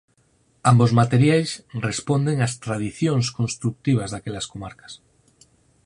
Ambos materiais responden ás tradicións construtivas daquelas comarcas.